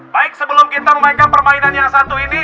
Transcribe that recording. baik sebelum kita memainkan permainan yang satu ini